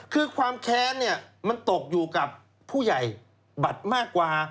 คือความแค้นเนี่ยมันตกอยู่กับผู้ใหญ่บัตรมากกว่า